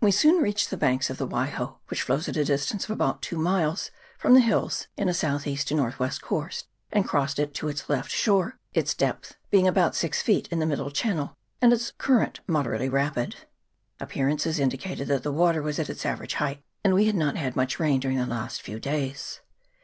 We soon reached the banks of the Waiho, which flows at a distance of about two miles from the hills in a S.E. to N.W. course ; and crossed it to its left shore, its depth being about six feet in the middle channel, and its current moderately rapid. Appear ances indicated that the water was at its average height, and we had not had much rain during the last few days.